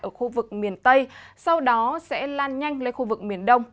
ở khu vực miền tây sau đó sẽ lan nhanh lên khu vực miền đông